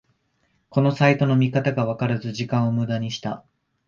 このサイトの見方がわからず時間をムダにした